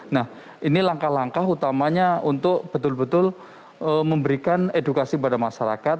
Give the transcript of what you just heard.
nah ini langkah langkah utamanya untuk betul betul memberikan edukasi kepada masyarakat